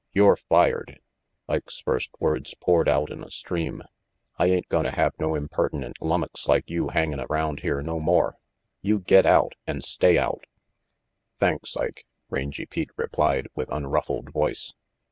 You're fired," Ike's first words poured out in a stream. "I ain't gonna have no impertinent lummux like you hangin' around here no more. You git out, and stay out." "Thanks, Ike," Rangy Pete replied, with unruffled voice.